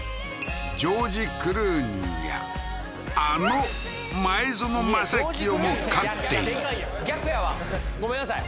ジョージ・クルーニーやあの前園真聖も飼っている逆やわごめんなさい